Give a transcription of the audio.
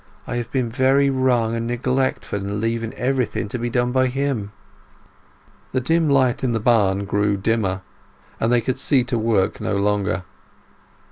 I have been very wrong and neglectful in leaving everything to be done by him!" The dim light in the barn grew dimmer, and they could see to work no longer.